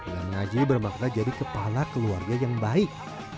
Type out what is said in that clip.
dan mengaji bermakna jadi kepala keluarga yang baik